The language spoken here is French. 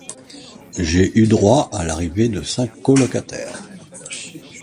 j'ai eu droit à l'arrivée de cinq colocataires.